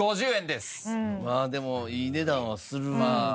まあでもいい値段はするね。